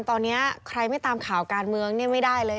ตอนนี้ใครไม่ตามข่าวการเมืองเนี่ยไม่ได้เลย